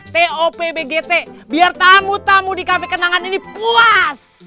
t o p b g t biar tamu tamu di cafe kenangan ini puas